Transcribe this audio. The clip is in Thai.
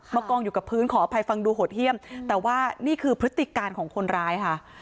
กองอยู่กับพื้นขออภัยฟังดูโหดเยี่ยมแต่ว่านี่คือพฤติการของคนร้ายค่ะ